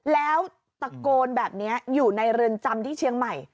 แล้วตะโกนแบบนี้อยู่ในเรือนจำที่เชียงใหม่